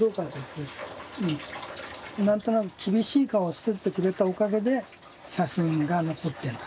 何となく厳しい顔をしててくれたおかげで写真が残ってる。